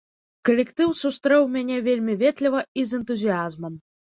Калектыў сустрэў мяне вельмі ветліва і з энтузіязмам.